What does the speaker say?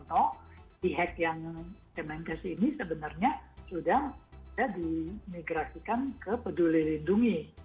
e hack yang kemenkes ini sebenarnya sudah dimigrasikan ke peduli lindungi